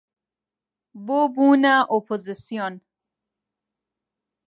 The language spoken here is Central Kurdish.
بۆ بوونە ئۆپۆزسیۆن